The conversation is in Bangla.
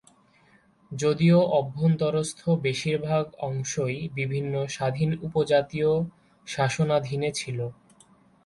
যদিও অভ্যন্তরস্থ বেশিরভাগ অংশই বিভিন্ন স্বাধীন উপজাতীয় শাসনাধীনে ছিল।